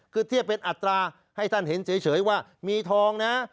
คือเทียบเป็นอัตราให้ท่านเห็นเฉยว่ามีทองนะ